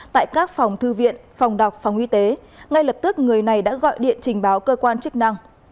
tại các phòng thư viện phòng đọc phòng y tế ngay lập tức người này đã gọi điện trình báo cơ quan chức năng